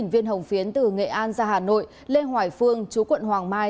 sáu viên hồng phiến từ nghệ an ra hà nội lê hoải phương chú quận hoàng mai